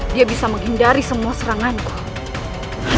dia bisa menghindari semua serangan yang ada pada dia